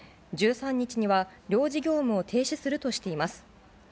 １３日には領事業務を停止するとしています。